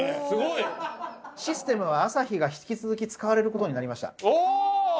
すごい！システムはあさひが引き続き使われる事になりました。